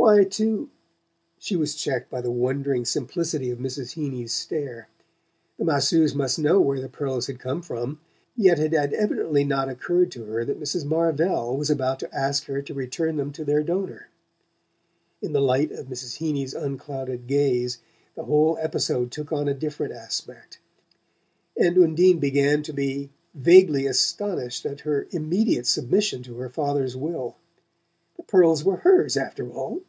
"Why, to " She was checked by the wondering simplicity of Mrs. Heeny's stare. The masseuse must know where the pearls had come from, yet it had evidently not occurred to her that Mrs. Marvell was about to ask her to return them to their donor. In the light of Mrs. Heeny's unclouded gaze the whole episode took on a different aspect, and Undine began to be vaguely astonished at her immediate submission to her father's will. The pearls were hers, after all!